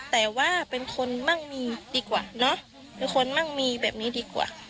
แต่ว่าเป็นคนมั่งมีดีกว่าเนอะเป็นคนมั่งมีแบบนี้ดีกว่า